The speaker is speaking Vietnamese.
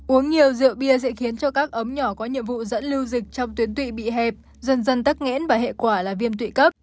uống nhiều rượu bia sẽ khiến cho các ấm nhỏ có nhiệm vụ dẫn lưu dịch trong tuyến tụy bị hẹp dần dần tắc nghẽn và hệ quả là viêm tụy cấp